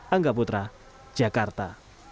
angga putra jakarta